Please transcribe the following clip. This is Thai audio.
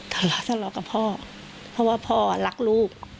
ทะเลาะกับพ่อเพราะว่าพ่ออะรักลูก